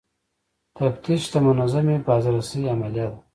تفتیش د منظمې بازرسۍ عملیه ده.